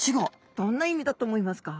どんな意味だと思いますか？